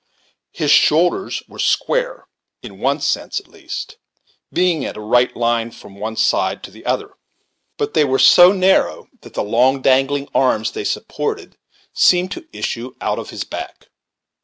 His shoulders were square, in one sense at least, being in a right line from one side to the other; but they were so narrow, that the long dangling arms they supported seemed to issue out of his back.